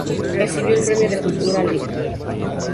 Recibió el Premio de Cultura “Lic.